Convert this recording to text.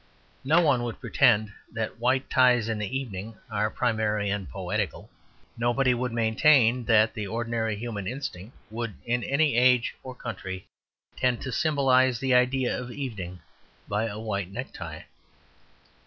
No one would pretend that white ties in the evening are primary and poetical. Nobody would maintain that the ordinary human instinct would in any age or country tend to symbolize the idea of evening by a white necktie.